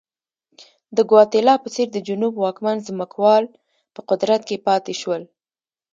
د ګواتیلا په څېر د جنوب واکمن ځمکوال په قدرت کې پاتې شول.